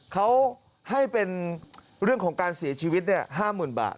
เขาให้เป็นเรื่องของการเสียชีวิต๕๐๐๐บาท